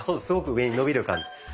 すごく上に伸びる感じ。